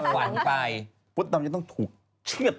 กลับฝันไป